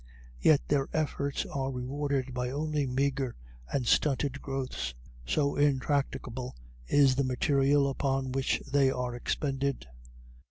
Yet their efforts are rewarded by only meagre and stunted growths; so intractable is the material upon which they are expended.